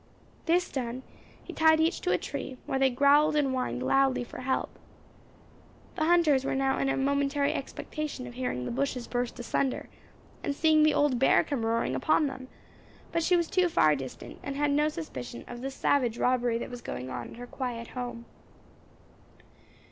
This done, he tied each to a tree, where they growled and whined loudly for help. The hunters were now in a momentary expectation of hearing the bushes burst asunder, and seeing the old bear come roaring upon them; but she was too far distant, and had no suspicion of the savage robbery that was going on at her quiet home.